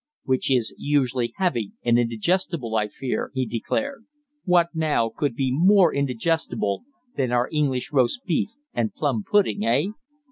"Which is usually heavy and indigestible, I fear," he declared. "What, now, could be more indigestible than our English roast beef and plum pudding eh?"